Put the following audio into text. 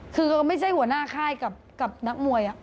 คือไม่ใช่หัวหน้าค่ายกับนักมวย